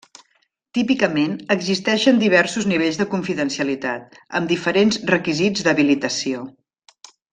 Típicament, existeixen diversos nivells de confidencialitat, amb diferents requisits d'habilitació.